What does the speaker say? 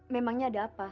memangnya ada apa